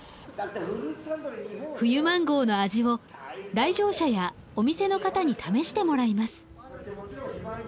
冬マンゴーの味を来場者やお店の方に試してもらいます。